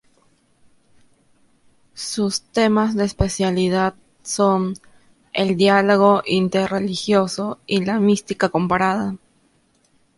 Sus temas de especialidad son el diálogo interreligioso y la mística comparada.